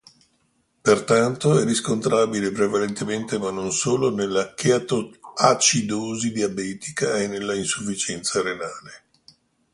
Pertanto è riscontrabile, prevalentemente ma non solo, nella chetoacidosi diabetica e nella insufficienza renale.